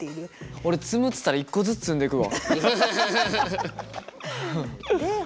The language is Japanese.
俺積むっつったら一個ずつ積んでいくわ。